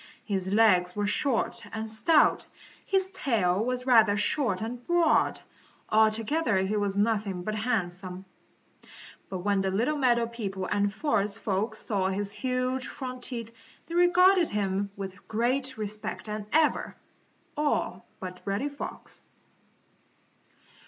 His legs were short and stout. His tail was rather short and broad. Altogether he was anything but handsome. But when the little meadow people and forest folks saw his huge front teeth they regarded him with greater respect than ever, all but Reddy Fox.